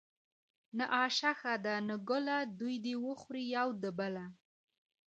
ـ نه آشه ښه ده نه ګله دوي د وخوري يو د بله.